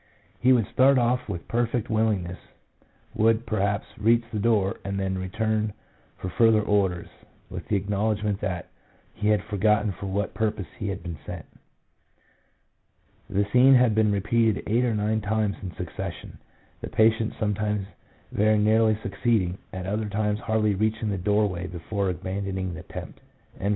He would start off with perfect willingness, would, perhaps, reach the door, and then return for further orders, with the acknowledgment that he had forgotten for what purpose he had been sent. The scene has been repeated eight or nine times in succession, the patient sometimes very nearly succeeding, at other times hardly reaching the doorway before abandoning the attempt." 2 W.